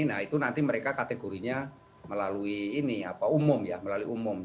nah itu nanti mereka kategorinya melalui ini apa umum ya melalui umum